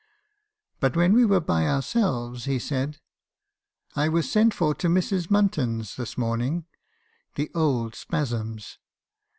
But when we were by ourselves, he said, " *I was sent for to Mrs. Munton's this morning — the old spasms.